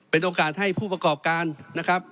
เป็นโอกาสให้ผู้ประกอบการนะครับ